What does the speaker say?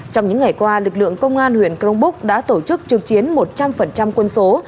trong những ngày qua lực lượng công an huyện crong búc đã tổ chức trực chiến một trăm linh quân số